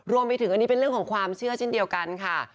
รวมไปถึงอันนี้เป็นเรื่องของความเชื่อเช่นเดียวกันค่ะ